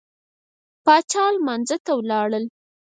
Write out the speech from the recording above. پاچا لمانځه ته ولاړل.